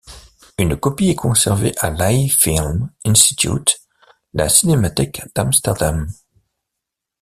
Une copie est conservée à l'Eye Film Institute, la cinémathèque d'Amsterdam.